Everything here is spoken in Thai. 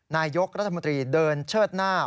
นายกรัฐมนตรีเดินเชิดหน้า